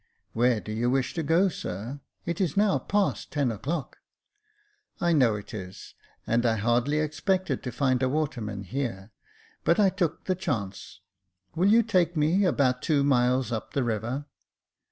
" Where do you wish to go to, sir ? It is now past ten o'clock." *' I know it is, and I hardly expected to find a waterman here ; but I took the chance. Will you take me about two miles up the river